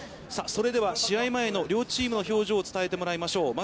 それでは、試合前の両チームの表情を伝えてもらいましょう。